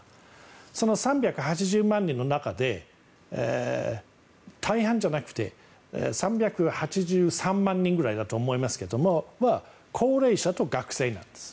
その３８０万人の中で大半じゃなくて３８３万人くらいだと思いますけども高齢者と学生なんです。